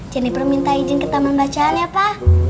jenibor minta izin ke taman bacaan ya pak